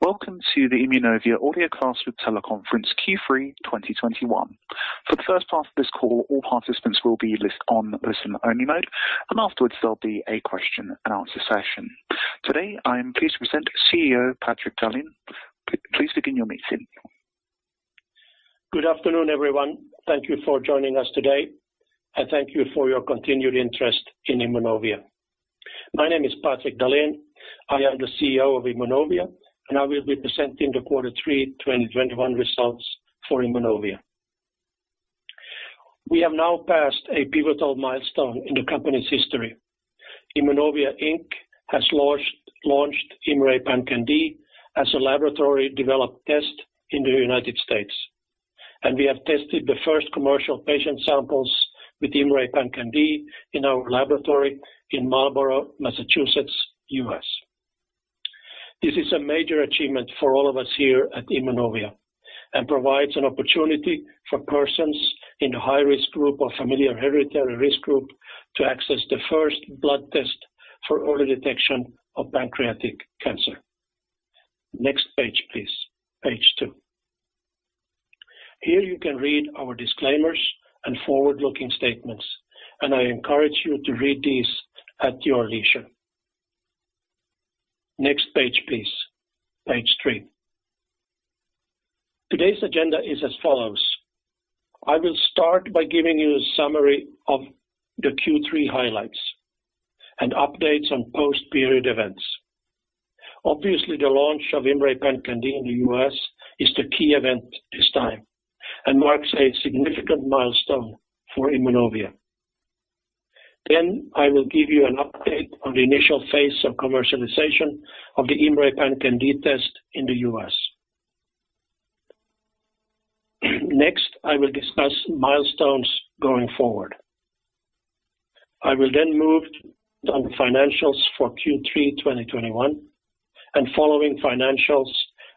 Welcome to the Immunovia audiocast with teleconference Q3 2021. For the first part of this call, all participants will be in listen-only mode, and afterwards, there'll be a question and answer session. Today, I am pleased to present CEO Patrik Dahlen. Please begin your meeting. Good afternoon, everyone. Thank you for joining us today, and thank you for your continued interest in Immunovia. My name is Patrik Dahlen. I am the CEO of Immunovia, and I will be presenting the Q3 2021 results for Immunovia. We have now passed a pivotal milestone in the company's history. Immunovia, Inc. has launched IMMray PanCan-d as a laboratory developed test in the United States, and we have tested the first commercial patient samples with IMMray PanCan-d in our laboratory in Marlborough, Massachusetts, U.S. This is a major achievement for all of us here at Immunovia and provides an opportunity for persons in the high-risk group or familiar hereditary risk group to access the first blood test for early detection of pancreatic cancer. Next page, please. Page two. Here you can read our disclaimers and forward-looking statements, and I encourage you to read these at your leisure. Next page, please. Page three. Today's agenda is as follows: I will start by giving you a summary of the Q3 highlights and updates on post-period events. Obviously, the launch of IMMray PanCan-d in the U.S. is the key event this time and marks a significant milestone for Immunovia. Then I will give you an update on the initial phase of commercialization of the IMMray PanCan-d test in the U.S. Next, I will discuss milestones going forward. I will then move on financials for Q3 2021, and following financials,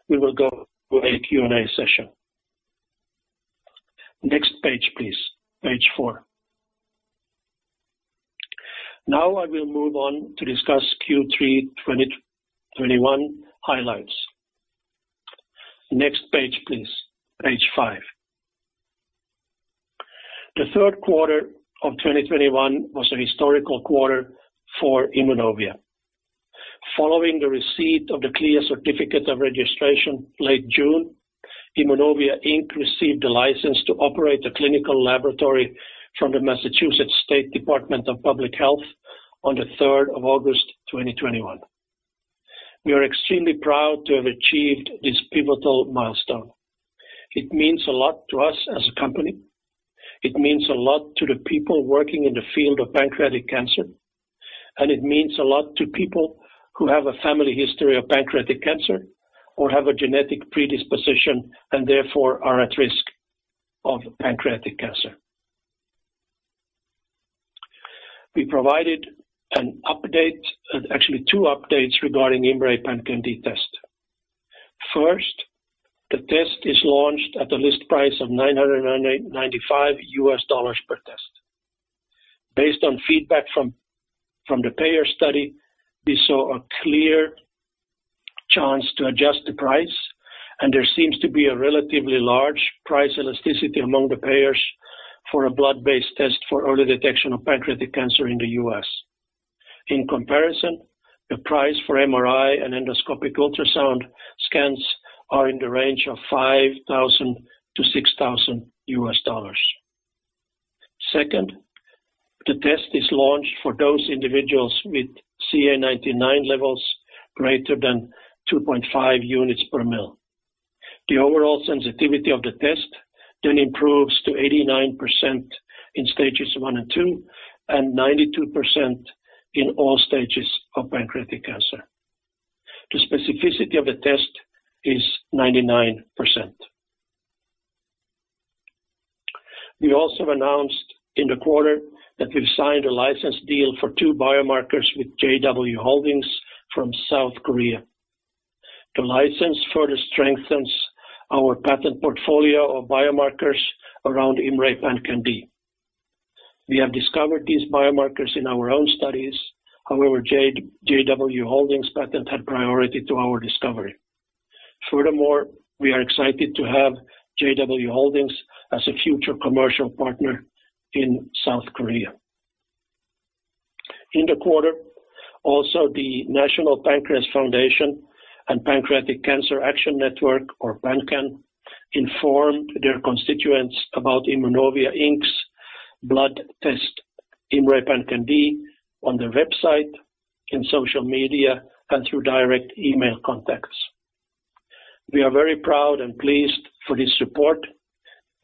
we will go to a Q&A session. Next page, please. Page four. Now I will move on to discuss Q3 2021 highlights. Next page, please. Page five. The third quarter of 2021 was a historical quarter for Immunovia. Following the receipt of the CLIA certificate of registration late June, Immunovia, Inc. received a license to operate a clinical laboratory from the Massachusetts Department of Public Health on the third of August 2021. We are extremely proud to have achieved this pivotal milestone. It means a lot to us as a company, it means a lot to the people working in the field of pancreatic cancer, and it means a lot to people who have a family history of pancreatic cancer or have a genetic predisposition and therefore are at risk of pancreatic cancer. We provided an update, actually two updates regarding IMMray PanCan-d test. First, the test is launched at the list price of $995 per test. Based on feedback from the payer study, we saw a clear chance to adjust the price, and there seems to be a relatively large price elasticity among the payers for a blood-based test for early detection of pancreatic cancer in the U.S. In comparison, the price for MRI and endoscopic ultrasound scans are in the range of $5,000-$6,000. Second, the test is launched for those individuals with CA19-9 levels greater than 2.5 units per ml. The overall sensitivity of the test then improves to 89% in stages one and two, and 92% in all stages of pancreatic cancer. The specificity of the test is 99%. We also announced in the quarter that we've signed a license deal for two biomarkers with JW Holdings from South Korea. The license further strengthens our patent portfolio of biomarkers around IMMray PanCan-d. We have discovered these biomarkers in our own studies. However, JW Holdings patent had priority to our discovery. Furthermore, we are excited to have JW Holdings as a future commercial partner in South Korea. In the quarter, also, the National Pancreas Foundation and Pancreatic Cancer Action Network, or PANCAN, informed their constituents about Immunovia, Inc.'s blood test IMMray PanCan-d on their website, in social media, and through direct email contacts. We are very proud and pleased for this support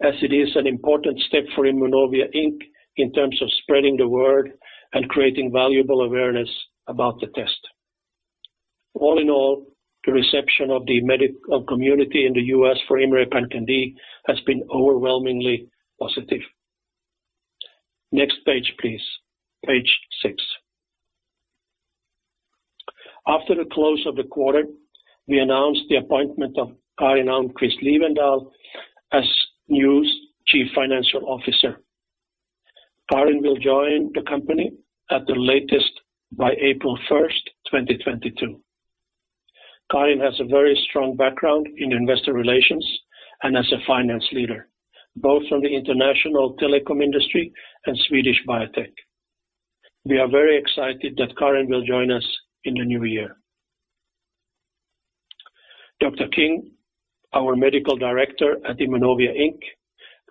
as it is an important step for Immunovia, Inc., in terms of spreading the word and creating valuable awareness about the test. All in all, the reception of the medical community in the U.S. for IMMray PanCan-d has been overwhelmingly positive. Next page, please. Page six. After the close of the quarter, we announced the appointment of our renowned Karin Almqvist Liwendahl as new Chief Financial Officer. Karin will join the company at the latest by April 1, 2022. Karin has a very strong background in investor relations and as a finance leader, both from the international telecom industry and Swedish biotech. We are very excited that Karin will join us in the new year. Dr. King, our Medical Director at Immunovia, Inc.,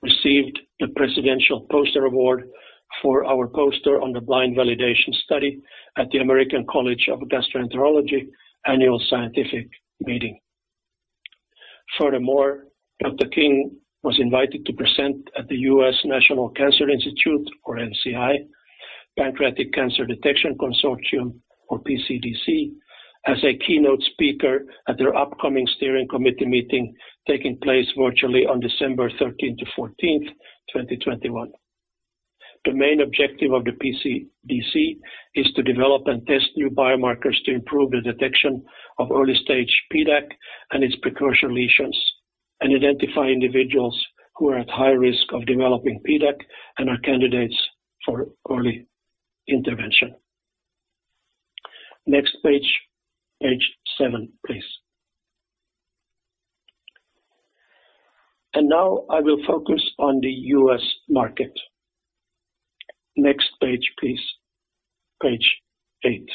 received the Presidential Poster Award for our poster on the blind validation study at the American College of Gastroenterology Annual Scientific Meeting. Furthermore, Dr. King was invited to present at the U.S. National Cancer Institute, or NCI, Pancreatic Cancer Detection Consortium, or PCDC, as a keynote speaker at their upcoming steering committee meeting, taking place virtually on December 13-14, 2021. The main objective of the PCDC is to develop and test new biomarkers to improve the detection of early-stage PDAC and its precursor lesions, and identify individuals who are at high risk of developing PDAC and are candidates for early intervention. Next page seven, please. Now I will focus on the U.S. market. Next page, please. Page eight.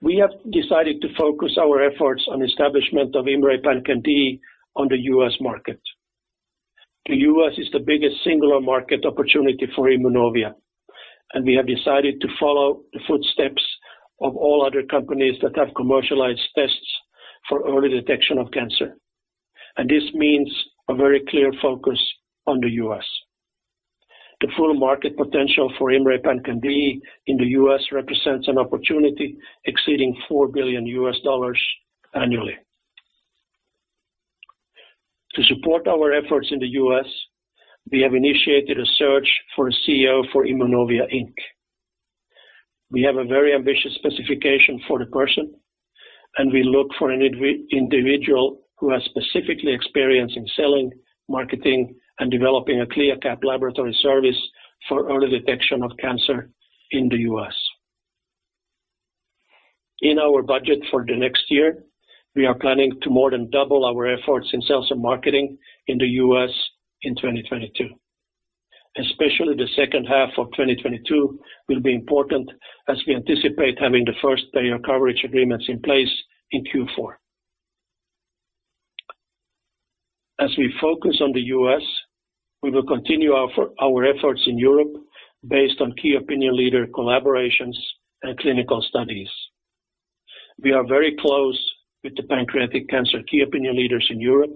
We have decided to focus our efforts on establishment of IMMray PanCan-d on the U.S. market. The U.S. is the biggest singular market opportunity for Immunovia, and we have decided to follow the footsteps of all other companies that have commercialized tests for early detection of cancer. This means a very clear focus on the U.S. The full market potential for IMMray PanCan-d in the U.S. represents an opportunity exceeding $4 billion annually. To support our efforts in the U.S., we have initiated a search for a CEO for Immunovia, Inc. We have a very ambitious specification for the person, and we look for an individual who has specific experience in selling, marketing, and developing a CLIA/CAP laboratory service for early detection of cancer in the U.S. In our budget for the next year, we are planning to more than double our efforts in sales and marketing in the U.S. in 2022. Especially the second half of 2022 will be important as we anticipate having the first payer coverage agreements in place in Q4. As we focus on the U.S., we will continue our efforts in Europe based on key opinion leader collaborations and clinical studies. We are very close with the pancreatic cancer key opinion leaders in Europe,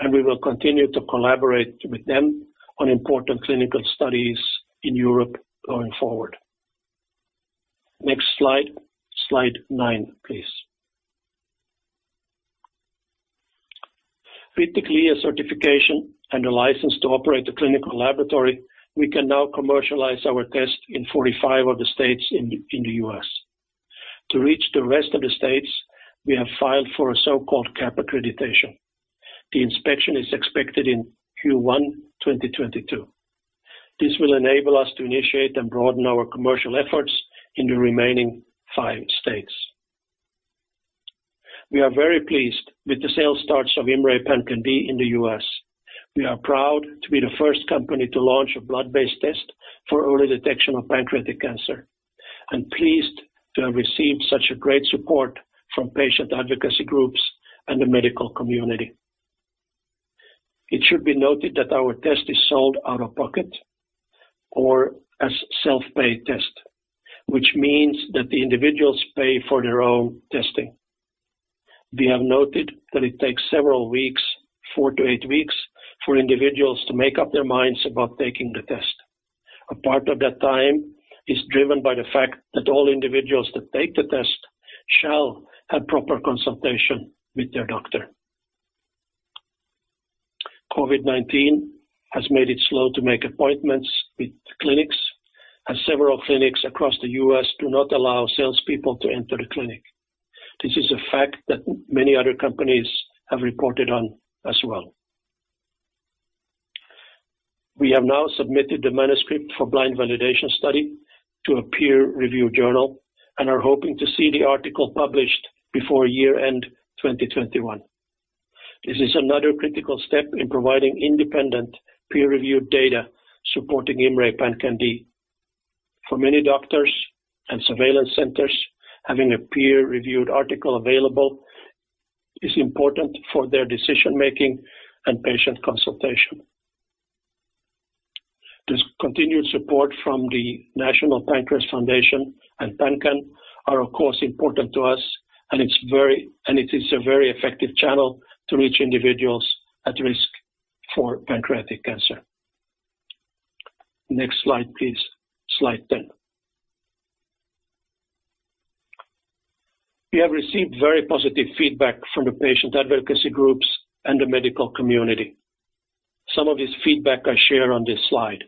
and we will continue to collaborate with them on important clinical studies in Europe going forward. Next slide nine, please. With the CLIA certification and a license to operate the clinical laboratory, we can now commercialize our test in 45 of the states in the U.S. To reach the rest of the states, we have filed for a so-called CAP accreditation. The inspection is expected in Q1 2022. This will enable us to initiate and broaden our commercial efforts in the remaining five states. We are very pleased with the sales starts of IMMray PanCan-d in the U.S. We are proud to be the first company to launch a blood-based test for early detection of pancreatic cancer, and pleased to have received such a great support from patient advocacy groups and the medical community. It should be noted that our test is sold out of pocket or as self-pay test, which means that the individuals pay for their own testing. We have noted that it takes several weeks, four to eight weeks, for individuals to make up their minds about taking the test. A part of that time is driven by the fact that all individuals that take the test shall have proper consultation with their doctor. COVID-19 has made it slow to make appointments with clinics, and several clinics across the U.S. do not allow salespeople to enter the clinic. This is a fact that many other companies have reported on as well. We have now submitted the manuscript for blind validation study to a peer review journal and are hoping to see the article published before year-end 2021. This is another critical step in providing independent peer-reviewed data supporting IMMray PanCan-d. For many doctors and surveillance centers, having a peer-reviewed article available is important for their decision-making and patient consultation. This continued support from the National Pancreas Foundation and PanCAN are, of course, important to us, and it is a very effective channel to reach individuals at risk for pancreatic cancer. Next slide, please. Slide ten. We have received very positive feedback from the patient advocacy groups and the medical community. Some of this feedback I share on this slide.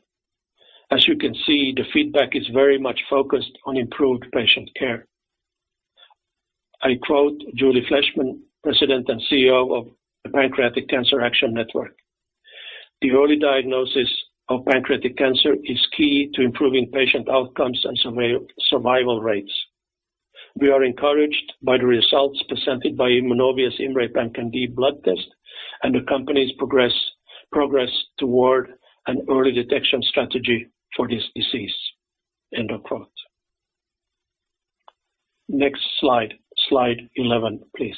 As you can see, the feedback is very much focused on improved patient care. I quote Julie Fleshman, President and CEO of the Pancreatic Cancer Action Network, "The early diagnosis of pancreatic cancer is key to improving patient outcomes and survival rates. We are encouraged by the results presented by Immunovia's IMMray PanCan-d blood test and the company's progress toward an early detection strategy for this disease." End of quote. Next slide 11, please.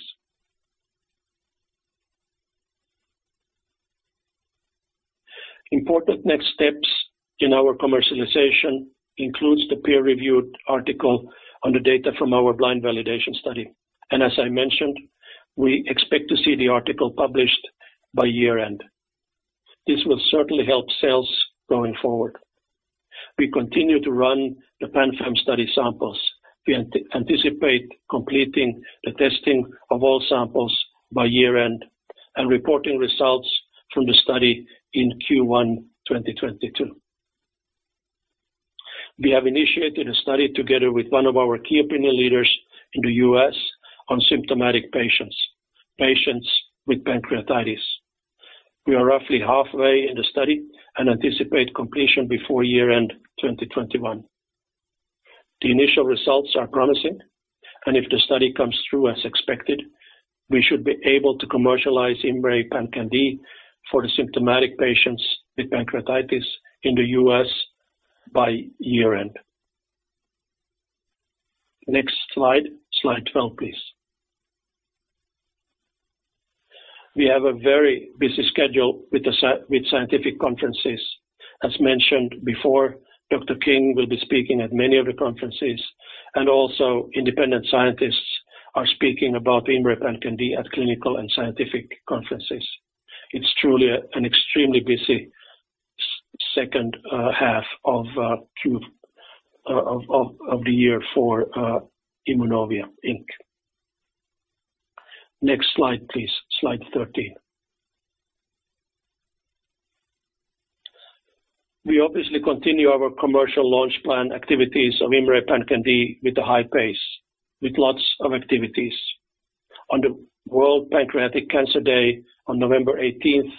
Important next steps in our commercialization includes the peer-reviewed article on the data from our blind validation study. As I mentioned, we expect to see the article published by year-end. This will certainly help sales going forward. We continue to run the PanFAM study samples. We anticipate completing the testing of all samples by year-end and reporting results from the study in Q1 2022. We have initiated a study together with one of our key opinion leaders in the U.S. on symptomatic patients with pancreatitis. We are roughly halfway in the study and anticipate completion before year-end 2021. The initial results are promising, and if the study comes through as expected, we should be able to commercialize IMMray PanCan-d for the symptomatic patients with pancreatitis in the U.S. by year-end. Next slide 12, please. We have a very busy schedule with scientific conferences. As mentioned before, Dr. King will be speaking at many of the conferences, and also independent scientists are speaking about IMMray PanCan-d at clinical and scientific conferences. It's truly an extremely busy second half of the year for Immunovia, Inc. Next slide, please. Slide 13. We obviously continue our commercial launch plan activities of IMMray PanCan-d with a high pace, with lots of activities. On the World Pancreatic Cancer Day on November 18,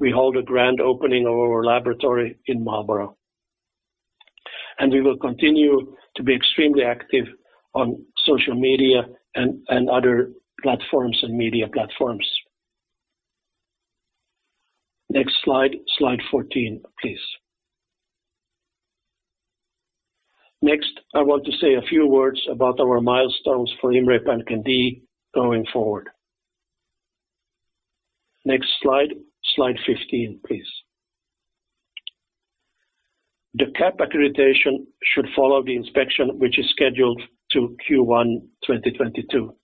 we hold a grand opening of our laboratory in Marlborough. We will continue to be extremely active on social media and other platforms and media platforms. Next slide 14, please. Next, I want to say a few words about our milestones for IMMray PanCan-d going forward. Next slide 15, please. The CAP accreditation should follow the inspection, which is scheduled to Q1 2022.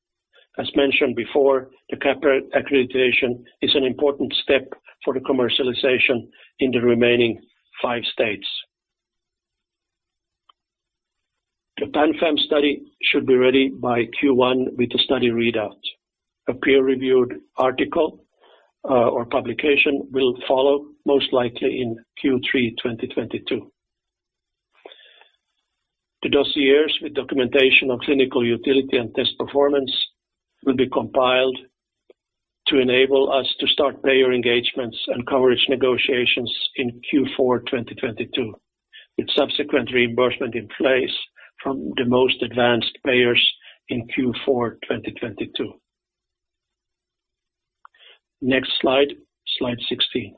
As mentioned before, the CAP accreditation is an important step for the commercialization in the remaining five states. The PanFAM study should be ready by Q1 with the study readout. A peer-reviewed article or publication will follow most likely in Q3 2022. The dossiers with documentation of clinical utility and test performance will be compiled to enable us to start payer engagements and coverage negotiations in Q4 2022, with subsequent reimbursement in place from the most advanced payers in Q4 2022. Next slide 16.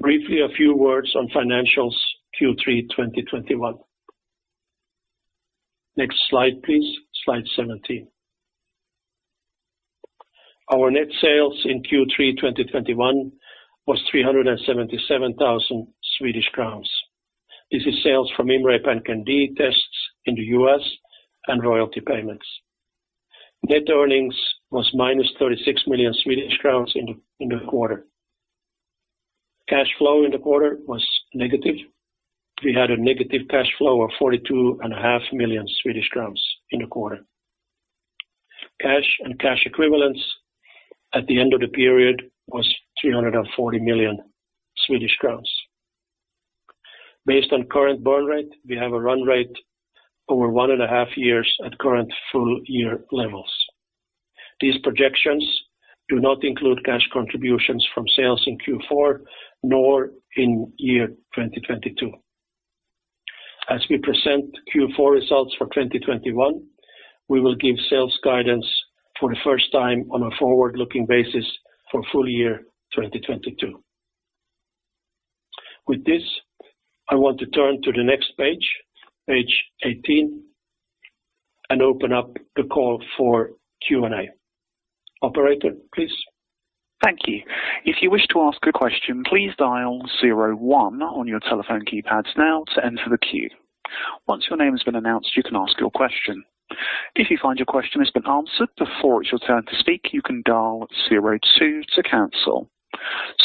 Briefly, a few words on financials Q3 2021. Next slide, please. Slide 17. Our net sales in Q3 2021 was 377,000 Swedish crowns. This is sales from IMMray PanCan-d tests in the U.S. and royalty payments. Net earnings was minus 36 million Swedish crowns in the quarter. Cash flow in the quarter was negative. We had a negative cash flow of 42.5 million Swedish crowns. In the quarter. Cash and cash equivalents at the end of the period was 340 million Swedish crowns. Based on current burn rate, we have a run rate over one and a half years at current full year levels. These projections do not include cash contributions from sales in Q4 nor in year 2022. As we present Q4 results for 2021, we will give sales guidance for the first time on a forward-looking basis for full year, 2022. With this, I want to turn to the next page 18, and open up the call for Q&A. Operator, please. Thank you. If you wish to ask a question, please dial zero one on your telephone keypads now to enter the queue. Once your name has been announced, you can ask your question. If you find your question has been answered before it's your turn to speak, you can dial zero two to cancel.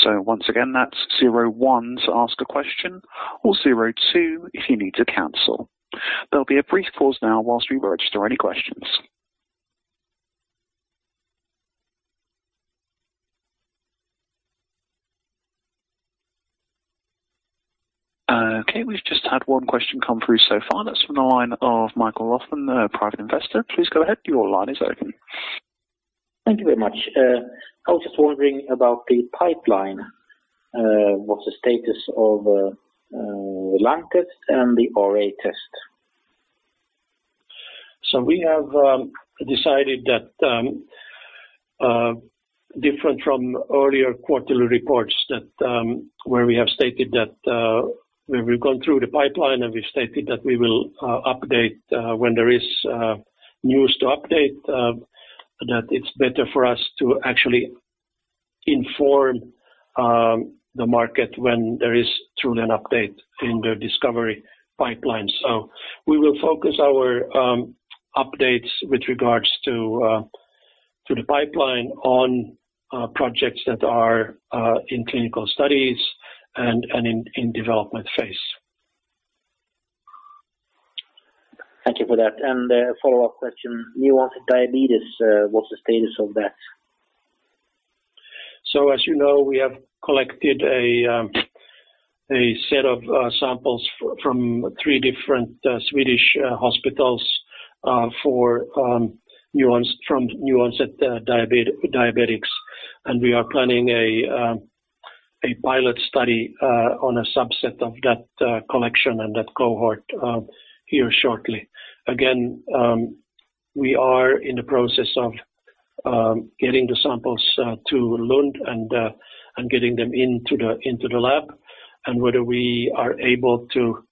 Once again, that's zero one to ask a question or zero two if you need to cancel. There'll be a brief pause now while we register any questions. Okay. We've just had one question come through so far. That's from the line of Mikael Löfman, private investor. Please go ahead. Your line is open. Thank you very much. I was just wondering about the pipeline. What's the status of the lung test and the RA test? We have decided that, different from earlier quarterly reports where we have stated that we've gone through the pipeline, and we've stated that we will update when there is news to update, it's better for us to actually inform the market when there is truly an update in the discovery pipeline. We will focus our updates with regards to the pipeline on projects that are in clinical studies and in development phase. Thank you for that. A follow-up question. New-onset diabetes, what's the status of that? As you know, we have collected a set of samples from three different Swedish hospitals for new-onset diabetics. We are planning a pilot study on a subset of that collection and that cohort here shortly. Again, we are in the process of getting the samples to Lund and getting them into the lab. Whether we are able to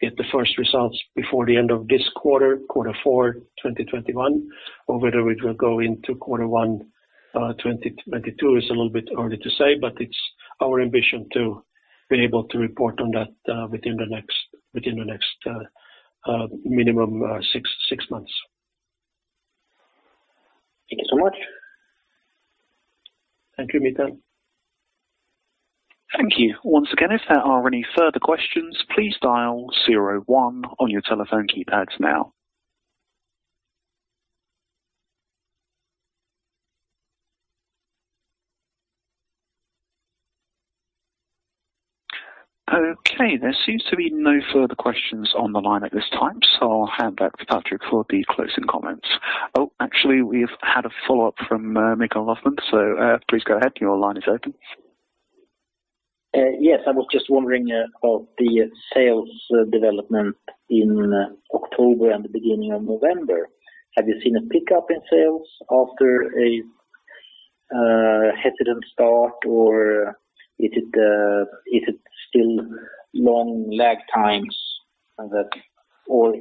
get the first results before the end of this quarter four, 2021, or whether it will go into quarter one, 2022 is a little bit early to say, but it's our ambition to be able to report on that within the next minimum six months. Thank you so much. Thank you, Mikael. Thank you. Once again, if there are any further questions, please dial zero one on your telephone keypads now. Okay, there seems to be no further questions on the line at this time, so I'll hand back to Patrik for the closing comments. Oh, actually, we've had a follow-up from Mikael Löfman, so please go ahead. Your line is open. Yes. I was just wondering about the sales development in October and the beginning of November. Have you seen a pickup in sales after a hesitant start, or is it still long lag times or?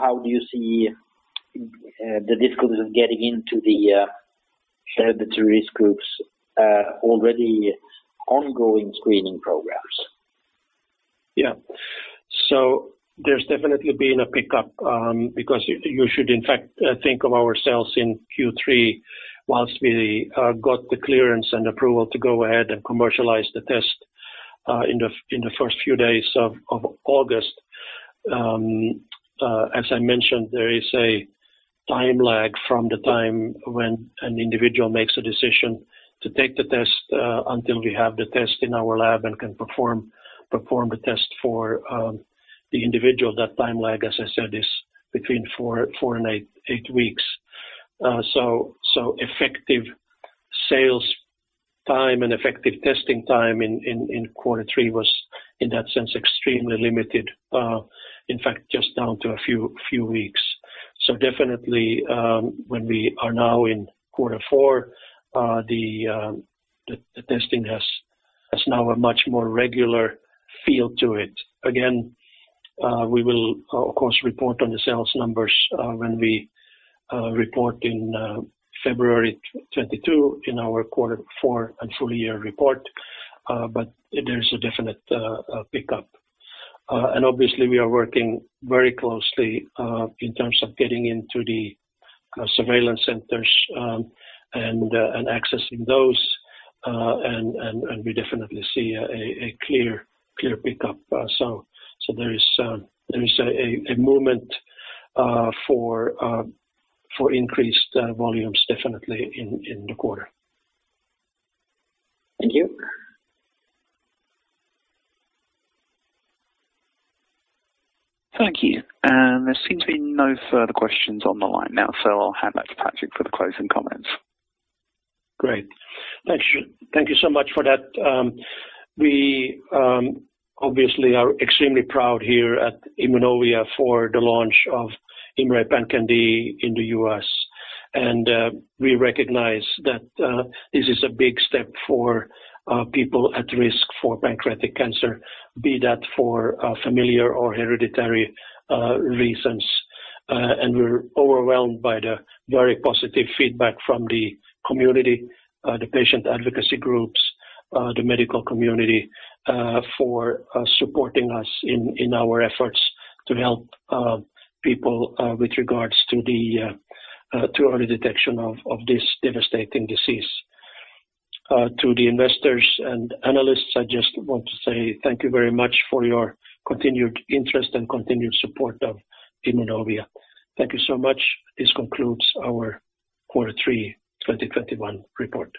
How do you see the difficulties of getting into the hereditary groups already ongoing screening programs? There's definitely been a pickup because you should in fact think of our sales in Q3 while we got the clearance and approval to go ahead and commercialize the test in the first few days of August. As I mentioned, there is a time lag from the time when an individual makes a decision to take the test until we have the test in our lab and can perform a test for the individual. That time lag, as I said, is between four and eight weeks. Effective sales time and effective testing time in quarter three was, in that sense, extremely limited, in fact, just down to a few weeks. Definitely, when we are now in quarter four, the testing has now a much more regular feel to it. Again, we will, of course, report on the sales numbers when we report in February 2022 in our quarter four and full year report, but there's a definite pickup. Obviously we are working very closely in terms of getting into the surveillance centers, and we definitely see a clear pickup. There is a movement for increased volumes definitely in the quarter. Thank you. Thank you. There seems to be no further questions on the line now, so I'll hand back to Patrik for the closing comments. Great. Thank you. Thank you so much for that. We obviously are extremely proud here at Immunovia for the launch of IMMray PanCan-d in the U.S. We recognize that this is a big step for people at risk for pancreatic cancer, be that for familial or hereditary reasons. We're overwhelmed by the very positive feedback from the community, the patient advocacy groups, the medical community, for supporting us in our efforts to help people with regards to early detection of this devastating disease. To the investors and analysts, I just want to say thank you very much for your continued interest and continued support of Immunovia. Thank you so much. This concludes our quarter three 2021 report.